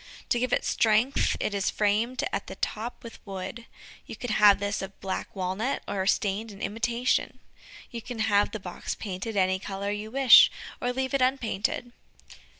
To give it strength it is framed at the top with wood. You can have this of black walnut, or stained in imitation. You can have the box painted any color you wish, or leave it unpainted.